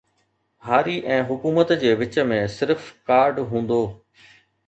هاري ۽ حڪومت جي وچ ۾ صرف ڪارڊ هوندو